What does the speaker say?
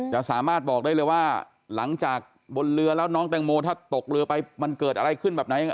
จะสามารถบอกได้เลยว่าหลังจากบนเรือแล้วน้องแตงโมถ้าตกเรือไปมันเกิดอะไรขึ้นแบบไหนยังไง